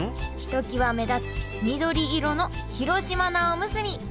ひときわ目立つ緑色の広島菜おむすび